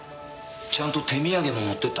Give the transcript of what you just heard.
ちゃんと手土産も持って行った？